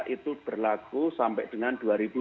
itu berlaku sampai dengan dua ribu dua puluh